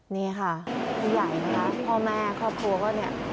นี่ค่ะผู้ใหญ่นะคะพ่อแม่ครอบครัวก็เนี่ย